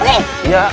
jangan pak ya